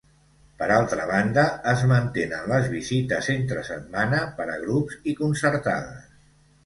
Per altra banda es mantenen les visites entre setmana per a grup i concertades.